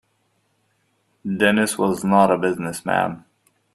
Dennis was not a business man.